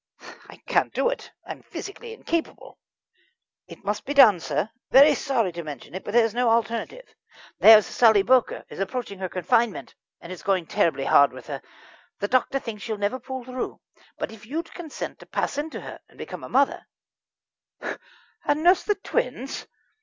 "I can't do it. I'm physically incapable." "It must be done, sir. Very sorry to mention it, but there is no alternative. There's Sally Bowker is approaching her confinement, and it's going terribly hard with her. The doctor thinks she'll never pull through. But if you'd consent to pass into her and become a mother " "And nurse the twins?